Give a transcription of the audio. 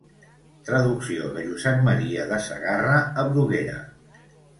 Traducció de Josep Maria de Sagarra a Bruguera.